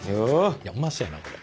いやうまそうやなこれ。